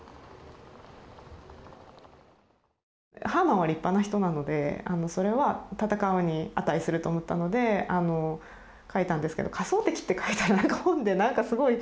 ハーマンは立派な人なのでそれはたたかうに値すると思ったので書いたんですけど仮想敵って書いたらなんか本でなんかすごい重く捉えられちゃって。